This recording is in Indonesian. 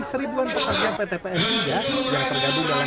seribuan pekerja ptpn tiga yang tergabung dalam